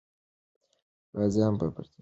غازيان په پردي ځواک پسې ځي.